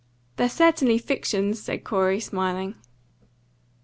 "They're certainly fictions," said Corey, smiling.